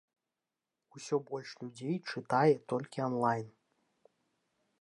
Усё больш людзей чытае толькі анлайн.